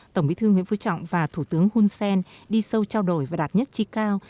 tổng bí thư nguyễn phú trọng và thủ tướng hunsen đi sâu trao đổi và đạt nhất trí cao